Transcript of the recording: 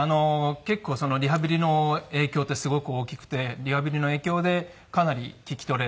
結構リハビリの影響ってすごく大きくてリハビリの影響でかなり聞き取れたり。